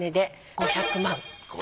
５００万。